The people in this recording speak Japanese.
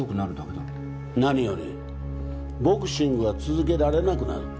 何よりボクシングは続けられなくなる。